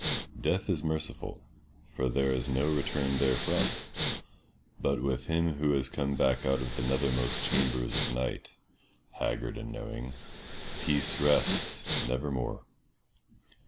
Death is merciful, for there is no return therefrom, but with him who has come back out of the nethermost chambers of night, haggard and knowing, peace rests nevermore.